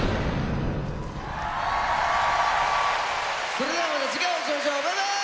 それではまた次回お会いしましょうバイバイ！